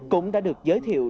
cũng đã được giới thiệu